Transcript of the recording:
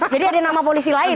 jadi ada nama polisi lain